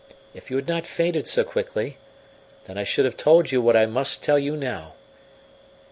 If you had not fainted so quickly, then I should have told you what I must tell you now.